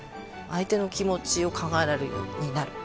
相手の気持ちを考えられるようになる。